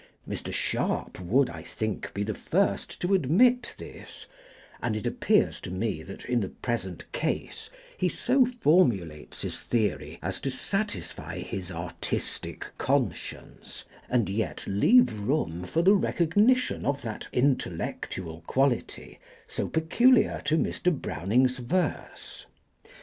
Mr. Sharp would, I think, be the first to admit this; and it appears to me that, in the present case, he so formulates his theory as to satisfy his artistic conscience, and yet leave room for the recognition of that intellectual quality so peculiar to Mr. Browning's verse.